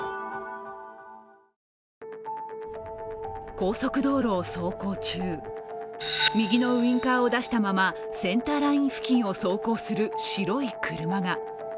高速道路を走行中、右のウインカーを出したままセンターライン付近を走行する白い車が。